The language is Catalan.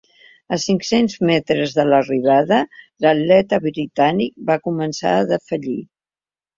A cinc-cents metres de l’arribada, l’atleta britànic va començar a defallir.